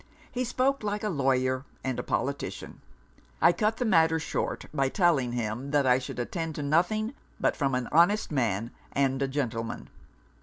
He spoke like a lawyer and a politician. I cut the matter short, by telling him that I should attend to nothing but from an honest man and a gentleman.'